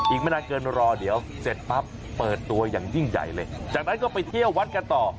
อีกไม่นานเกินรอเดี๋ยวเสร็จปั๊บเปิดตัวอย่างยิ่งใหญ่เลยจากนั้นก็ไปเที่ยววัดกันต่อ